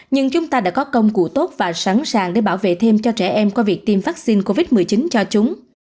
nhưng chúng ta đã có công cụ tốt và sẵn sàng để bảo vệ thêm cho trẻ em qua việc tiêm vaccine covid một mươi chín cho chúng